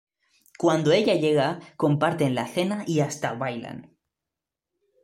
Cuando ella llega, comparten la cena y hasta bailan.